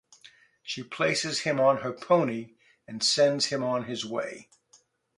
She places him on her pony and sends him on his way.